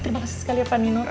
terima kasih sekali ya panino